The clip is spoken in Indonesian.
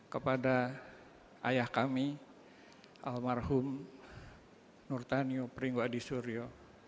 kepada ayah kami almarhum nurtanio pringwadi suryo